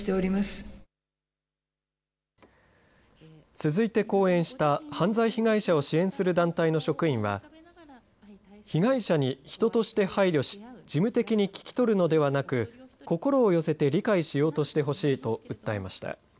続いて講演した犯罪被害者を支援する団体の職員は被害者に人として配慮し事務的に聞き取るのではなく心を寄せて理解しようとしてほしいと訴えました。